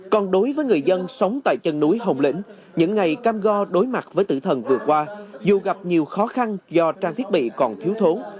còn đối với người dân sống tại chân núi hồng lĩnh những ngày cam go đối mặt với tử thần vừa qua dù gặp nhiều khó khăn do trang thiết bị còn thiếu thốn